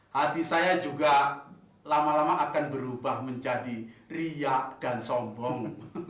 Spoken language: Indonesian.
hati saya juga lama lama akan berubah menjadi riak dan sombong